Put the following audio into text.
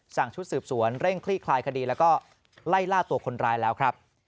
ชุดสืบสวนเร่งคลี่คลายคดีแล้วก็ไล่ล่าตัวคนร้ายแล้วครับ